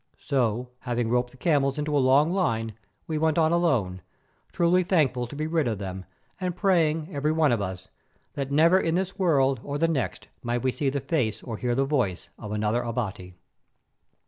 So, having roped the camels into a long line, we went on alone, truly thankful to be rid of them, and praying, every one of us, that never in this world or the next might we see the face or hear the voice of another Abati.